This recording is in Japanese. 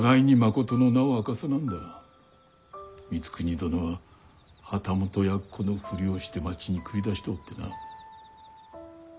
光圀殿は旗本奴のふりをして町に繰り出しておってな。